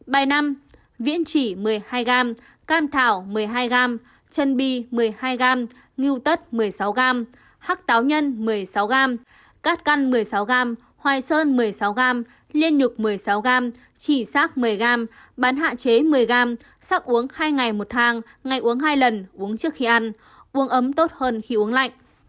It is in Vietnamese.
bài năm viễn trí một mươi hai g cam thảo một mươi hai g chân bi một mươi hai g ngưu tất một mươi sáu g hắc táo nhân một mươi sáu g cắt căn một mươi sáu g hoài sơn một mươi sáu g liên nhục một mươi sáu g chỉ sắc một mươi g bán hạ chế một mươi g sắc uống hai ngày một thang ngày uống hai lần uống trước khi ăn uống ấm tốt hơn khi uống lạnh